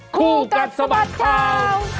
คู่กันสมัครคราว